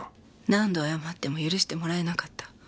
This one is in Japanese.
何度謝っても許してもらえなかった。